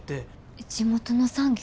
地元の産業。